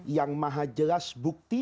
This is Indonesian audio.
yang maha jelas buktinya